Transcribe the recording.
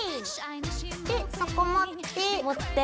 でそこ持って。